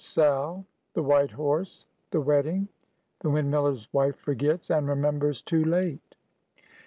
—SAL.—THE "WHITE HORSE."—THE WEDDING.—THE WINDMILLER'S WIFE FORGETS, AND REMEMBERS TOO LATE.